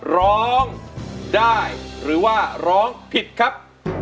ร้องได้หรือว่าร้องผิดครับ